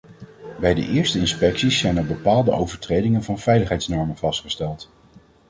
Bij de eerste inspecties zijn al bepaalde overtredingen van veiligheidsnormen vastgesteld.